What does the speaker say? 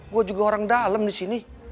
gue juga orang dalem disini